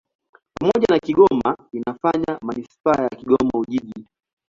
Pamoja na Kigoma inafanya manisipaa ya Kigoma-Ujiji.